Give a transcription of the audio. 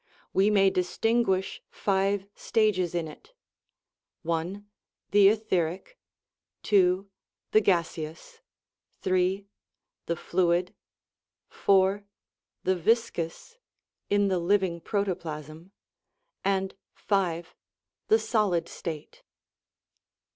We may distinguish five stages in it : (i) the etheric, (2) the gaseous, (3) the fluid, (4) the vis cous (in the living protoplasm), and (5) the solid state.